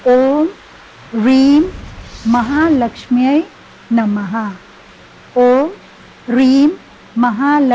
โอมรีมมหาลักษมีนมหา